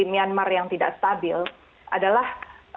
myanmar yang tidak stabil adalah